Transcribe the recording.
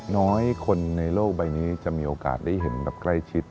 น้อยคนในโลกใบนี้จะมีโอกาสได้เห็นแบบใกล้ชิด